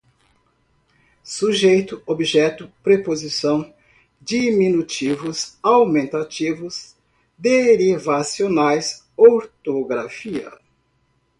sujeito, objeto, preposição, diminutivos, aumentativos derivacionais, ortografia